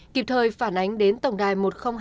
kịp thời phản ánh đến tổng đài một nghìn hai mươi hai